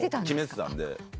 決めてたんで。